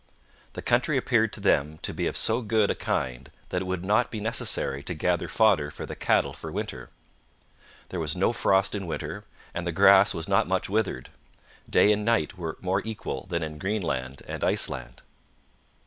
The country appeared to them to be of so good a kind that it would not be necessary to gather fodder for the cattle for winter. There was no frost in winter, and the grass was not much withered. Day and night were more equal than in Greenland and Iceland.